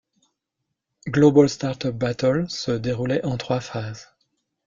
Global Startup Battle se déroulait en trois phases.